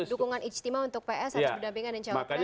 dukungan istimewa untuk ps harus berdampingan dengan jawabnya